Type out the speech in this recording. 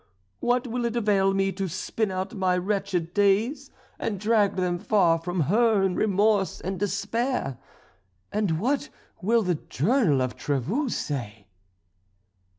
What will it avail me to spin out my wretched days and drag them far from her in remorse and despair? And what will the Journal of Trevoux say?"